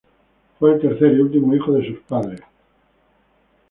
Fue el tercer y último hijo de sus padres.